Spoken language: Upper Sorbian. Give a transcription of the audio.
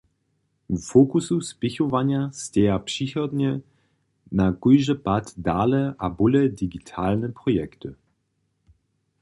W fokusu spěchowanja steja přichodnje na kóždy pad dale a bóle digitalne projekty.